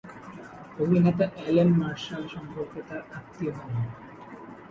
অভিনেতা Allen Marshall সম্পর্কে তার আত্মীয় হন।